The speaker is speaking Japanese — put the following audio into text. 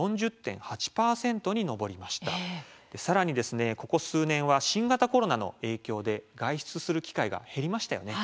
さらにここ数年は新型コロナの影響で外出する機会が減りましたよね。